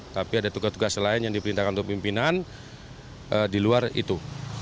tapi ada tugas tugas lain yang diperintahkan untuk pimpinan di luar itu